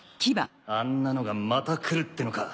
あんなのがまた来るってのか。